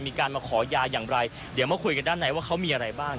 มีการมาขอยาอย่างไรเดี๋ยวมาคุยกันด้านในว่าเขามีอะไรบ้าง